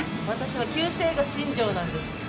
私は旧姓が新庄なんです。